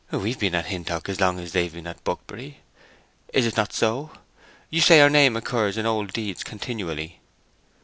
"We've been at Hintock as long as they've been at Buckbury; is it not so? You say our name occurs in old deeds continually."